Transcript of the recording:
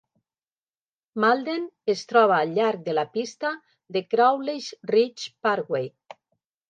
Malden es troba al llarg de la pista de Crowley's Ridge Parkway.